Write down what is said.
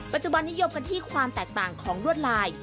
ปัจจุบันนิยมกันที่ความแตกต่างของลวดลาย